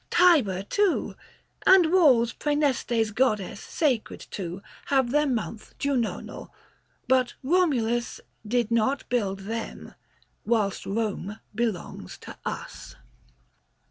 Tiber, too, And walls Praeneste's goddess sacred to, , Have their month Junonal ; but Komulus Did not build them : whilst Kome belongs to us."